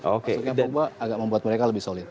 maksudnya pogba agak membuat mereka lebih solid